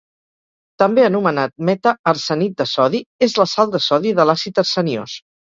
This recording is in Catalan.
També anomenat "meta"-arsenit de sodi, és la sal de sodi de l'àcid arseniós.